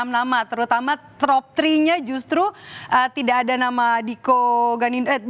enam nama terutama trop tiga nya justru tidak ada nama diko ganindek